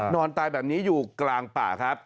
นอนตายแบบนี้อยู่กลางป่าครับ